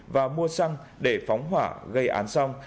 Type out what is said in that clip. và mua xăng để phóng hỏa gây án song